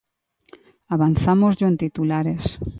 Avanzámosllo en titulares.